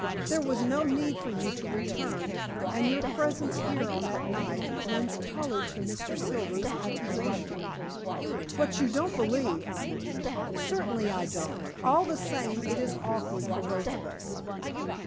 There was no need for you to return, and your presence here on that night lends color to Mr. Silver's accusation." "But you don't believe " "Certainly I don't. All the same it is awkward for both of us."